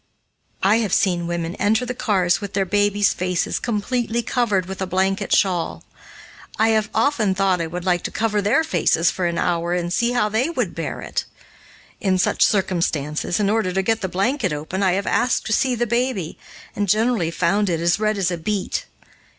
I have seen women enter the cars with their babies' faces completely covered with a blanket shawl. I have often thought I would like to cover their faces for an hour and see how they would bear it. In such circumstances, in order to get the blanket open, I have asked to see the baby, and generally found it as red as a beet.